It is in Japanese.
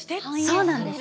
そうなんです。